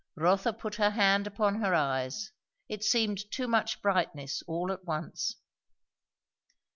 Rotha put her hand upon her eyes; it seemed too much brightness all at once.